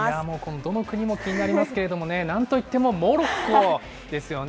どの国も気になりますけれどもね、なんといってもモロッコですよね。